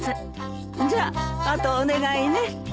じゃああとお願いね。